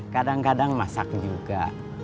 kadang kadang masak juga